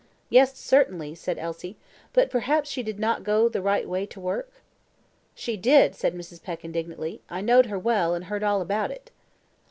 "Yes, certainly," said Elsie; "but perhaps she did not go the right way to work?" "She did," said Mrs. Peck, indignantly. "I knowed her well, and heard all about it."